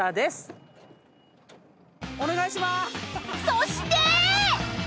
［そして］